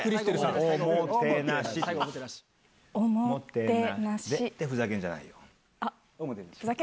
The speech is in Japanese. で「ふざけんじゃないよ」。